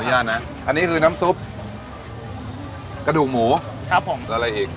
อนุญาตนะอันนี้คือน้ำซุปกระดูกหมูครับผมแล้วอะไรอีก